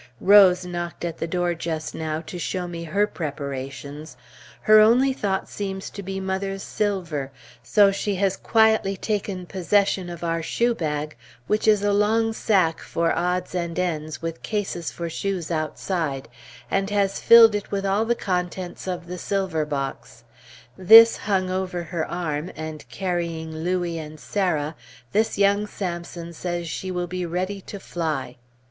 Rose knocked at the door just now to show her preparations. Her only thought seems to be mother's silver, so she has quietly taken possession of our shoe bag, which is a long sack for odds and ends with cases for shoes outside, and has filled it with all the contents of the silver box; this hung over her arm, and carrying Louis and Sarah, this young Samson says she will be ready to fly.